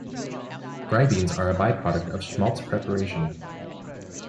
Gribenes are a byproduct of schmaltz preparation.